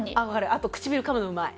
あと唇かむのうまい。